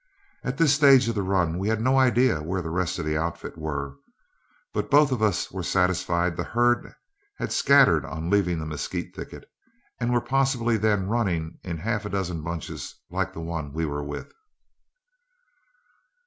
At this stage of the run, we had no idea where the rest of the outfit were, but both of us were satisfied the herd had scattered on leaving the mesquite thicket, and were possibly then running in half a dozen bunches like the one we were with.